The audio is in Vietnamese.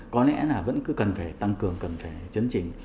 có lẽ là vẫn cứ cần phải tăng cường cần phải chấn chỉnh